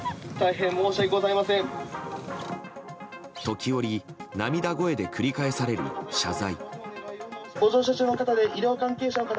時折、涙声で繰り返される謝罪。